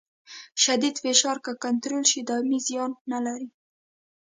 شدید فشار که کنټرول شي دایمي زیان نه لري.